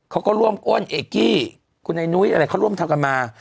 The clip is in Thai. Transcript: เขาก็ร่วมอ้นเอกกี้คุณไอ้นุ้ยอะไรเขาร่วมทำกันมา